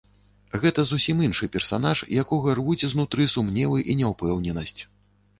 Гэта зусім іншы персанаж, якога рвуць знутры сумневы і няўпэўненасць.